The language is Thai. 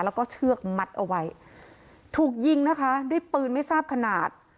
แล้วก็เชือกมัดเอาไว้ถูกยิงนะคะด้วยปืนไม่ทราบขนาด